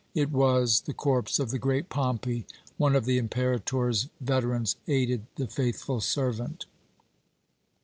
It was the corpse of the great Pompey. One of the Imperator's veterans aided the faithful servant."